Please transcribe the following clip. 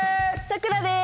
さくらです。